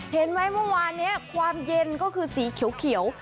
เห็นไหมเมื่อวานนี้ความเย็นก็คือสีเขียว